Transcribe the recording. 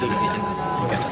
iya tiga jenis